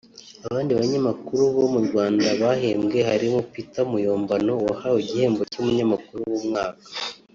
Abandi banyamakuru bo mu Rwanda bahembwe harimo Peter Muyombano wahawe igihembo cy’umunyamakuru w’umwaka